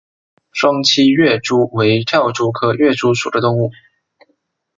双栖跃蛛为跳蛛科跃蛛属的动物。